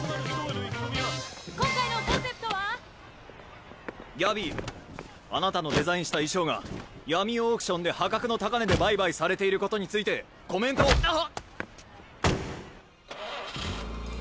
ギャビーあなたのデザインした衣装が闇オークションで破格の高値で売買されていることについてコメントをうわっ！